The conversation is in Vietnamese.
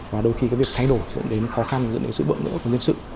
và đôi khi cái việc thay đổi dẫn đến khó khăn dẫn đến sự bợn nữa của nhân sự